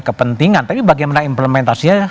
kepentingan tapi bagaimana implementasinya